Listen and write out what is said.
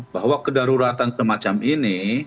bahwa kedaruratan semacam ini